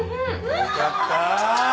よかった！